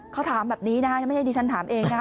เขาถามแบบนี้นะคะไม่ใช่ดิฉันถามเองนะ